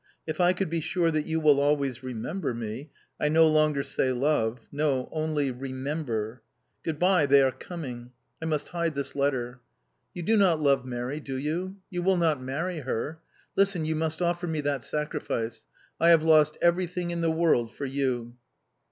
If I could be sure that you will always remember me I no longer say love no, only remember... Good bye, they are coming!... I must hide this letter. "You do not love Mary, do you? You will not marry her? Listen, you must offer me that sacrifice. I have lost everything in the world for you"...